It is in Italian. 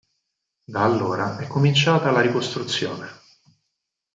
Da allora è cominciata la ricostruzione.